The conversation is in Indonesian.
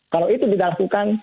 kalau itu tidak dilakukan